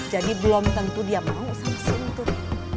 jadi belum tentu dia mau sama si antut